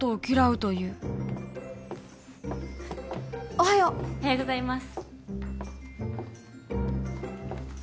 おはよう。おはようございます。